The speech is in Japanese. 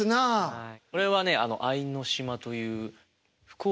はい。